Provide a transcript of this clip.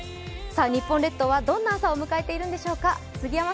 さあ、日本列島はどんな朝を迎えているんでしょうか。